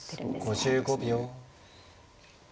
そうですね。